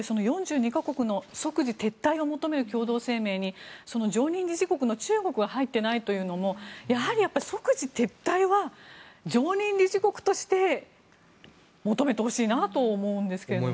４２か国の即時撤退を求める共同声明に常任理事国の中国が入っていないというのもやはり即時撤退は常任理事国として求めてほしいなと思うんですけど。